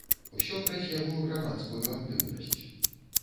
Усё праз яго грамадскую актыўнасць.